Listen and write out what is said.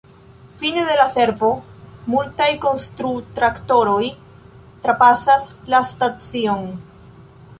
Fine de la servo, multaj konstru-traktoroj trapasas la stacion.